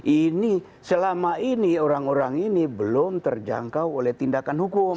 ini selama ini orang orang ini belum terjangkau oleh tindakan hukum